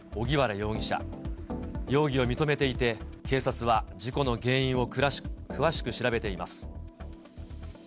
容疑を認めていて、警察は事故の原因を詳しく調べています。